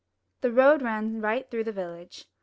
The road ran right through the village.